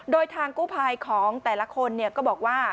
โดยทางกู้ภัยของแต่ละคนก็บอกว่า